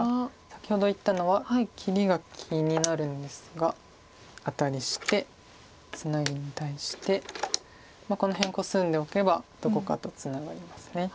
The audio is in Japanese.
先ほど言ったのは切りが気になるんですがアタリしてツナギに対してこの辺コスんでおけばどこかとツナがります。